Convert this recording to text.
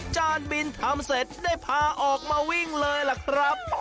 จานบินทำเสร็จได้พาออกมาวิ่งเลยล่ะครับ